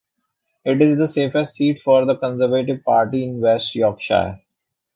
It is the safest seat for the Conservative Party in West Yorkshire.